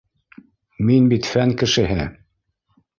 — Мин бит фән кешеһе